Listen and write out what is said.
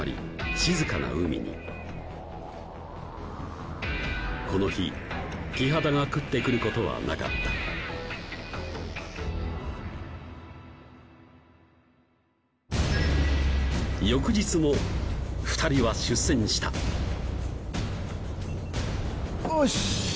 静かな海にこの日キハダが食ってくることはなかった翌日も２人は出船したおし！